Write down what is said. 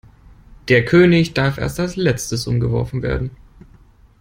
Der König darf erst als Letztes umgeworfen werden.